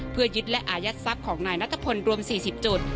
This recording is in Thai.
เพื่อยึดและอายัดทรัพย์ของนายนัทพลรวม๔๐จุด